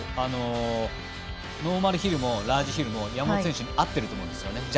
ノーマルヒルもラージヒルも山本選手に合ってると思うんですよね。